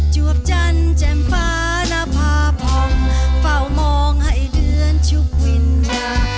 จวบจันทร์แจ่มฟ้าหน้าพาพองเฝ้ามองให้เดือนชุบวินยา